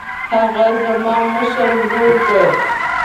هغه زما مشر ورور دی